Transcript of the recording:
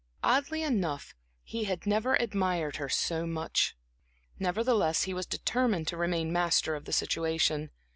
Oddly enough, he had never admired her so much. Nevertheless, he was determined to remain master of the situation.